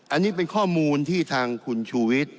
อันนี้เป็นข้อมูลที่ทางคุณชูวิทย์